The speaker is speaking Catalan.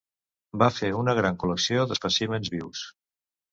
Va fer una gran col·lecció d'espècimens vius.